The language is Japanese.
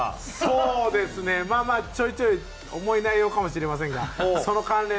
そうですねまあまあちょいちょい重い内容かもしれませんがその関連の話をします。